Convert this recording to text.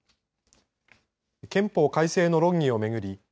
憲法改正の論議を巡り